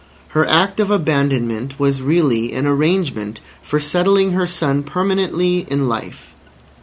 Her act of abandonment was really an arrangement for settling her son permanently in life.